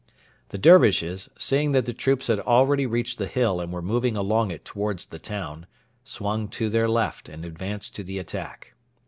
The Dervishes, seeing that the troops had already reached the hill and were moving along it towards the town, swung to their left and advanced to the attack.